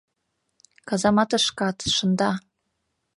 Казаматышкат шында.